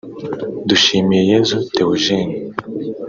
Dushimeyesu Theogenie